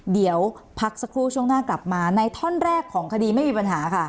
เดี๋ยวพักสักครู่ช่วงหน้ากลับมาในท่อนแรกของคดีไม่มีปัญหาค่ะ